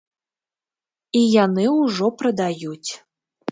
І яны ўжо прадаюць.